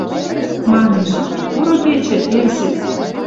Манеш: «Пурыгечы, Эрсек!»